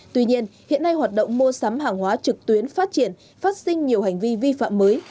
tuy nhiên hiện nay hoạt động mua sắm hàng hóa trực tuyến phát triển phát sinh nhiều hành vi vi phạm mới